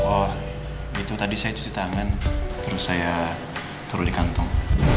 oh itu tadi saya cuci tangan terus saya taruh di kantong